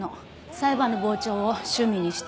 裁判の傍聴を趣味にしている人たち。